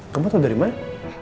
kamu tau dari mana